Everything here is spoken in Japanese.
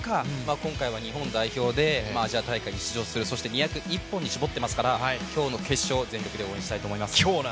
今回は日本代表でアジア大会に出場する、そして２００、一本に絞っていますから今日の決勝、全力で応援したいと思います。